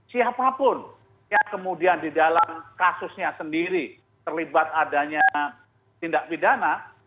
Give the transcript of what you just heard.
siapapun yang kemudian di dalam kasusnya sendiri terlibat adanya tindak pidana